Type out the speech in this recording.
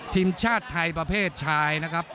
ทีมชาติไทยประเภทชายนะครับ